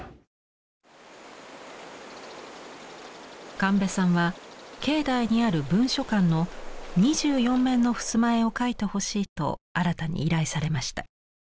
神戸さんは境内にある文書館の２４面のふすま絵を描いてほしいと新たに依頼されました。